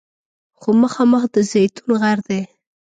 خو مخامخ د زیتون غر دی.